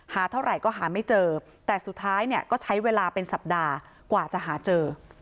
เท่าไหร่ก็หาไม่เจอแต่สุดท้ายเนี่ยก็ใช้เวลาเป็นสัปดาห์กว่าจะหาเจอ